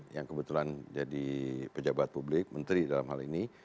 yang kebetulan jadi pejabat publik menteri dalam hal ini